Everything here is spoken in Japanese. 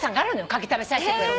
カキ食べさせてくれる。